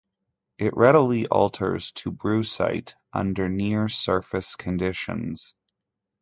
It readily alters to brucite under near surface conditions.